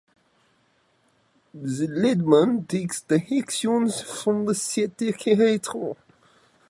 The leadman takes directions from the set decorator.